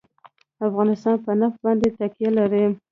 افغانستان په نفت باندې تکیه لري.